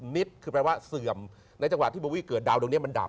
นิดคือแปลว่าเสื่อมในจังหวะที่โบวี่เกิดดาวดวงนี้มันดับ